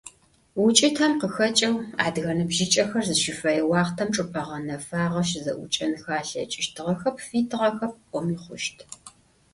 УкӀытэм къыхэкӀэу адыгэ ныбжьыкӀэхэр зыщыфэе уахътэм чӀыпӀэ гъэнэфагъэ щызэӀукӀэнхэ алъэкӀыщтыгъэхэп, фитыгъэхэп пӀоми хъущт.